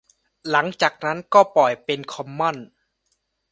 หลังจากนั้นก็ปล่อยเป็นคอมมอนส์